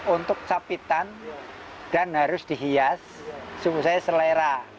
untuk capitan dan harus dihias suhu saya selera